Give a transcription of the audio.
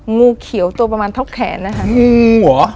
งูเขียวตัวประมาณท็อกแขนอะค่ะงูเหรอ